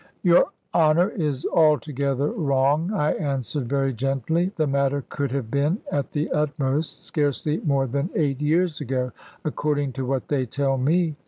"Your Honour is altogether wrong," I answered, very gently: "the matter could have been, at the utmost, scarcely more than eight years ago, according to what they tell me.